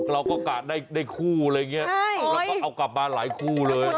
เราก็กะได้คู่อะไรอย่างนี้เอากลับมาหลายคู่เลย